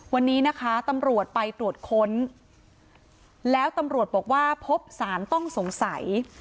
วันนี้นะคะตำรวจไปตรวจค้นแล้วตำรวจบอกว่าพบสารต้องสงสัย